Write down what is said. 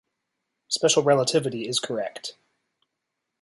Special relativity is correct.